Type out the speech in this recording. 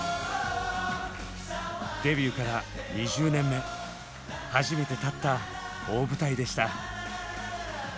デビューから２０年目初めて立った大舞台でした。